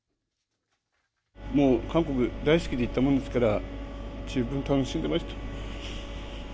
もう韓国大好きで行ったものですから、十分楽しんでました。